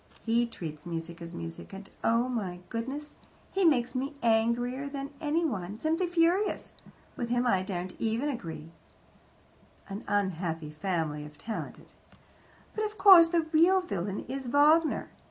He treats music as music, and oh, my goodness! He makes me angrier than anyone, simply furious. With him I daren't even argue." An unhappy family, if talented. "But, of course, the real villain is Wagner.